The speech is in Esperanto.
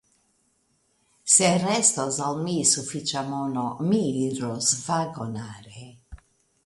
Se restos al mi sufiĉa mono, mi iros vagonare.